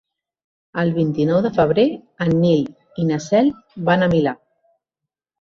El vint-i-nou de febrer en Nil i na Cel van al Milà.